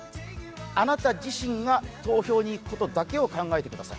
あなた自身が投票に行くことだけを考えてください。